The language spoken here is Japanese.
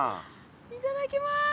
いただきます。